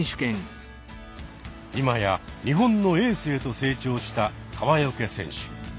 今や日本のエースへと成長した川除選手。